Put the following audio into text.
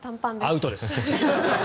アウトです！